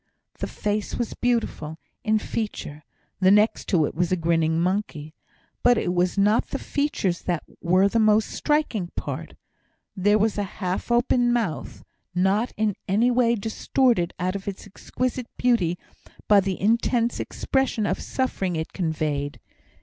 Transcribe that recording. The face was beautiful in feature (the next to it was a grinning monkey), but it was not the features that were the most striking part. There was a half open mouth, not in any way distorted out of its exquisite beauty by the intense expression of suffering it conveyed.